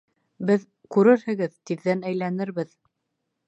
Беҙ, күрерһегеҙ, тиҙҙән әйләнербеҙ.